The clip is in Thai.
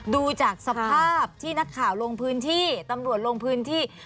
ดูจากสภาพที่นักข่าวลงพื้นที่ตำรวจลงพื้นที่